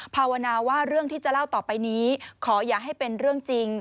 ภาวนาว่าเรื่องที่จะเล่าต่อไปนี้ขออย่าให้เป็นเรื่องจริง